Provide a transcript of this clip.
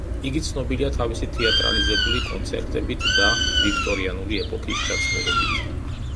იგი ცნობილია თავისი თეატრალიზებული კონცერტებით და ვიქტორიანული ეპოქის ჩაცმულობით.